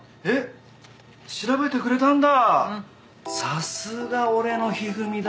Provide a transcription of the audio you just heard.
さすが俺の一二三だ。